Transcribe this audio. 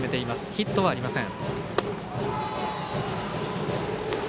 ヒットはありません。